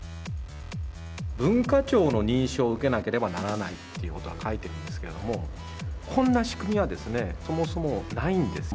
文化庁の認証を受けなければならないということが書いてあるんですけど、こんな仕組みはですね、そもそもないんです。